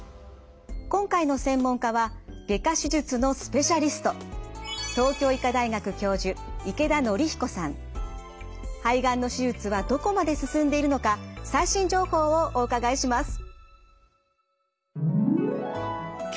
今回の専門家は外科手術のスペシャリスト肺がんの手術はどこまで進んでいるのか最新情報をお伺いします。